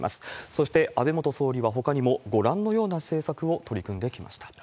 そして、安倍元総理はほかにも、ご覧のような政策を取り組んできました。